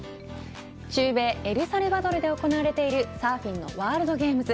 中米エルサルバドルで行われているサーフィンのワールドゲームズ。